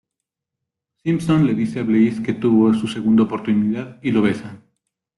Simpson le dice a Blaze que tuvo su segunda oportunidad y lo besa.